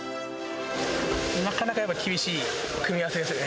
なかなかやっぱ厳しい組み合わせですね。